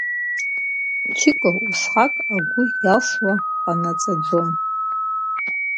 Чико усҟак агәы иалсуа ҟанаҵаӡом.